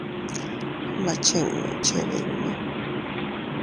Gma chinnu chebinnu.